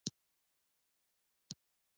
اسلام پنځه بناوې لري.